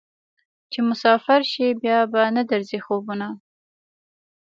چې مسافر شې بیا به نه درځي خوبونه